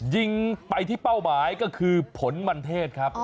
ยิงไปที่เป้าหมายก็คือผลมันเทศครับ